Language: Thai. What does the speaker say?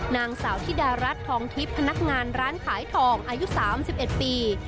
นางสาวธิดารัฐทองทิพย์พนักงานร้านขายทองอายุ๓๑ปี